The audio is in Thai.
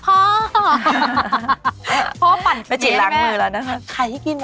พ่อปั่นแบบนี้ให้แม่แม่จีดล้างมือแล้วนะฮะไข่ให้กินเหรอ